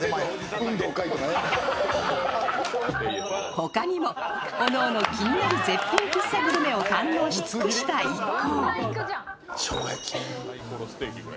他にも、おのおの気になる絶品喫茶グルメを堪能し尽くした一行。